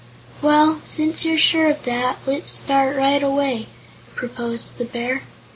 "Well, since you're sure of that, let's start right away," proposed the Bear.